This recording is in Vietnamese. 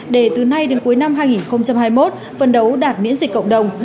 để từ nay đến cuối năm hai nghìn hai mươi một phân đấu đạt miễn dịch cộng đồng